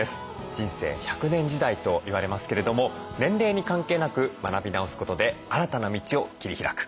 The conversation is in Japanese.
人生１００年時代と言われますけれども年齢に関係なく学び直すことで新たな道を切り開く。